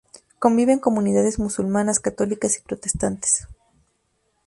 Conviven comunidades musulmanas, católicas y protestantes.